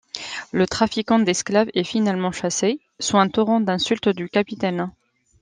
Le trafiquant d'esclaves est finalement chassé, sous un torrent d'insultes du Capitaine.